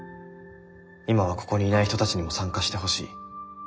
今はここにいない人たちにも参加してほしい」。